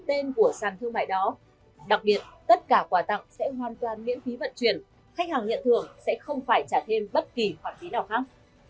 tên của sàn thương mại đó đặc biệt tất cả quà tặng sẽ hoàn toàn miễn phí vận chuyển khách hàng nhận thưởng sẽ không phải trả thêm bất kỳ khoản phí nào khác